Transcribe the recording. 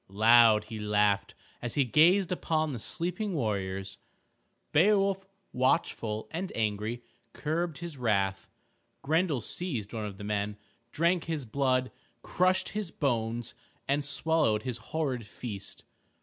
Loud he laughed as he gazed upon the sleeping warriors. Beowulf, watchful and angry, curbed his wrath. Grendel seized one of the men, drank his blood, crushed his bones, and swallowed his horrid feast.